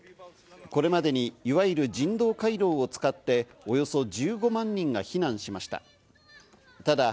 これまでにいわゆる人道回廊を使って、およそ１５万人が避難しました。